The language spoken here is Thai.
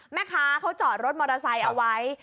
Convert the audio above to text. แม่ค้าเขาจอดรถมอเตอร์ไซค์เอาไว้